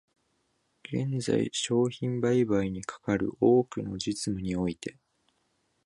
現在、商品売買にかかる多くの実務において、